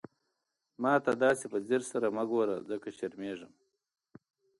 ما ته داسې په ځير سره مه ګوره، ځکه شرمېږم.